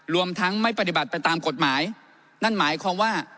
รวมทั้งไม่ปฏิบัติไปตามกฎหมายนั่นหมายความว่า